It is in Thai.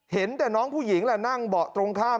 เห็นแต่น้องผู้หญิงแหละนั่งเบาะตรงข้าม